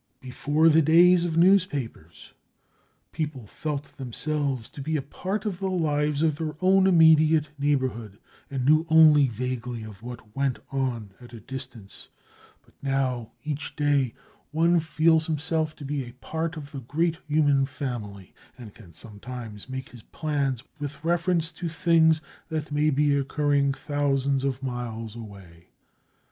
Before the days of newspapers, people felt themselves to be a part of the lives of their own immediate neighborhood and knew only vaguely of what went on at a distance, but now each day one feels himself to be a part of the great human family and can sometimes make his plans with reference to things that may be occurring thousands of miles away.